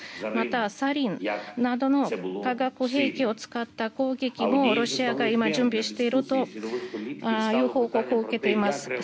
また、サリンなどの化学兵器を使った攻撃もロシアが今、準備しているという報告を受けています。